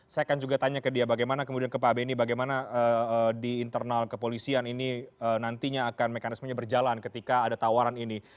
saya akan juga tanya ke dia bagaimana kemudian ke pak benny bagaimana di internal kepolisian ini nantinya akan mekanismenya berjalan ketika ada tawaran ini